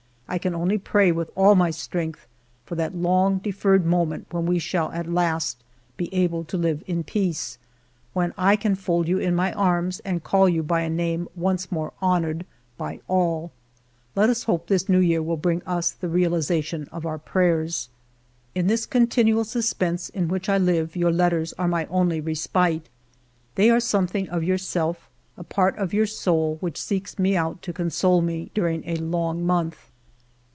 I can only pray with all my strength for that long deferred moment when we shall at last be able to live in peace ; when I can fold you in my arms and call you by a name once more honored by all. ... Let us hope this New Year will bring us the realization of our prayers. ... ALFRED DREYFUS 239 " In this continual suspense in which I live your letters are my only respite. They are some thing of yourself, a part of your soul which seeks me out to console me during a long month.